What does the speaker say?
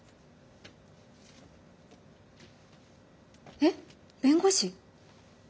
えっ弁護士？